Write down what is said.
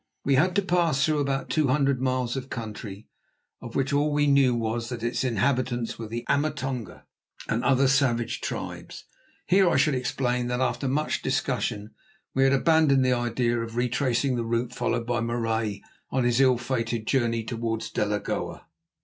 We had to pass through about two hundred miles of country of which all we knew was that its inhabitants were the Amatonga and other savage tribes. Here I should explain that after much discussion we had abandoned the idea of retracing the route followed by Marais on his ill fated journey towards Delagoa.